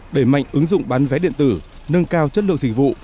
đẩy mạnh ứng dụng bán vé điện tử nâng cao chất lượng dịch vụ